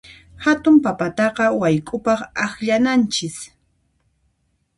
Hatun papataqa wayk'upaq akllananchis.